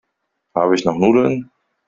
Habe ich noch Nudeln?